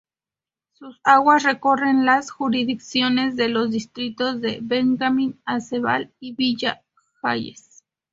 Sus aguas recorren las jurisdicciones de los distritos de Benjamín Aceval y Villa Hayes.